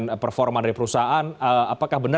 ini dengar dengar karena ada ketidakpuasan terkait dengan